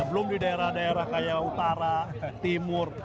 belum di daerah daerah kayak utara timur